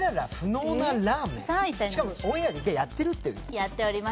しかもオンエアで１回やってるってやっております